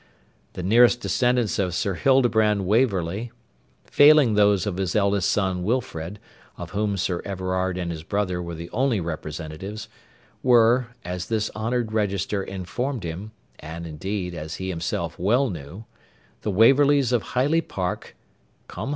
The nearest descendants of Sir Hildebrand Waverley, failing those of his eldest son Wilfred, of whom Sir Everard and his brother were the only representatives, were, as this honoured register informed him (and, indeed, as he himself well knew), the Waverleys of Highley Park, com.